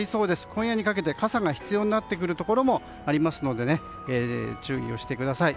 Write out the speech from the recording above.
今夜にかけて傘が必要になってくるところもありますので注意してください。